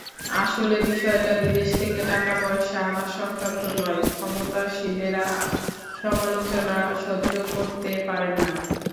আসলে বিষয়টা বিদেশ থেকে টাকাপয়সা আনা-সংক্রান্ত নয়, ক্ষমতাসীনেরা সমালোচনা সহ্য করতে পারেন না।